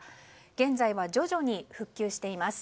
現在は徐々に復旧しています。